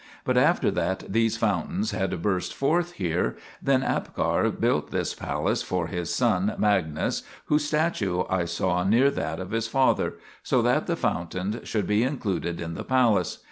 But after that these fountains had burst forth here, then Abgar built this palace for his son Magnus, whose statue I saw near that of his father, so that the fountains should be included in the palace.